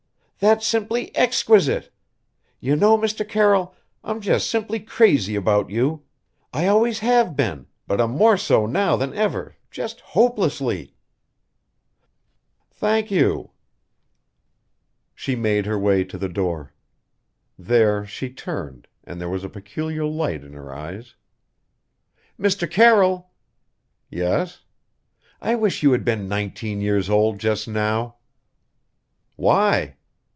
"That's simply exquisite! You know, Mr. Carroll, I'm just simply crazy about you! I always have been, but I'm more so now than ever just hopelessly!" "Thank you." She made her way to the door. There she turned, and there was a peculiar light in her eyes. "Mr. Carroll!" "Yes?" "I wish you had been nineteen years old just now." "Why?"